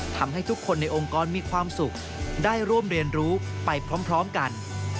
ทำให้ทุกคนในองค์กรมีความสุขได้ร่วมเรียนรู้ไปพร้อมกัน